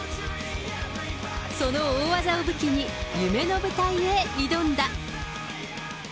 その大技を武器に、夢の舞台へ挑んだ。